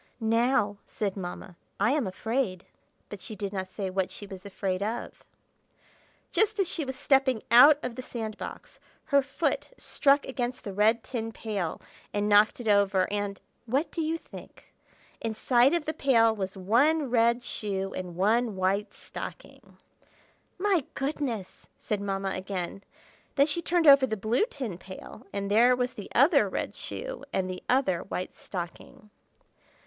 "Now," said Mamma, "I am afraid—" but she did not say what she was afraid of. Just as she was stepping out of the sand box, her foot struck against the red tin pail and knocked it over; and—what do you think? Inside of the pail was one red shoe and one white stocking. "My goodness!" said Mamma again. Then she turned over the blue tin pail, and there was the other red shoe and the other white stocking.